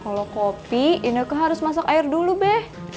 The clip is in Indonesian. kalo kopi ini kan harus masuk air dulu be